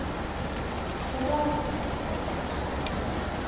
— Шогале!